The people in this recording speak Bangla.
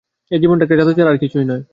এ জীবনটা একটা জাদু ছাড়া আর কিছুই নয়।